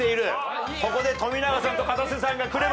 ここで富永さんとかたせさんがくれば。